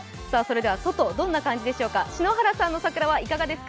外、どんな感じでしょうか。